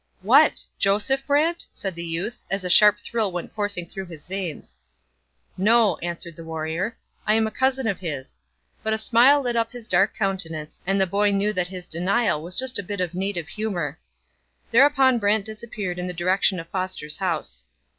'What! Joseph Brant?' said the youth, as a sharp thrill went coursing through his veins. 'No!' answered the warrior, 'I am a cousin of his'; but a smile lit up his dark countenance, and the boy knew that his denial was just a bit of native humour. Thereupon Brant disappeared in the direction of Foster's house.